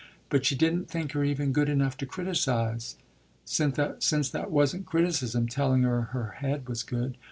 But she didn't think her even good enough to criticise since that wasn't criticism, telling her her head was good.